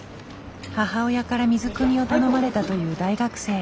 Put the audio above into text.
母親から水くみを頼まれたという大学生。